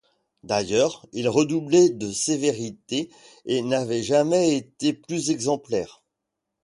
D'ailleurs, il redoublait de sévérité et n'avait jamais été plus exemplaire.